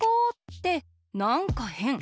ってなんかへん。